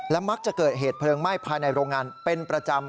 มักจะเกิดเหตุเพลิงไหม้ภายในโรงงานเป็นประจำ